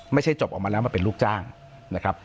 จบออกมาแล้วมาเป็นลูกจ้างนะครับ